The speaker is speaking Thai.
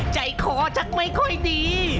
ใจคอชักไม่ค่อยดี